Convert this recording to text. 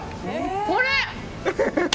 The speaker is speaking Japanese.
これ！